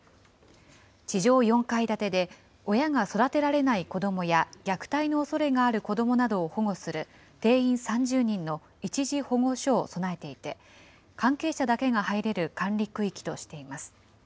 地上４階建てで親が育てられない子どもや、虐待のおそれがある子どもなどを保護する定員３０人の一時保護所を備えていて、関係者だけが入れる管理区域としています。